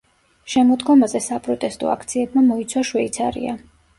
შემოდგომაზე საპროტესტო აქციებმა მოიცვა შვეიცარია.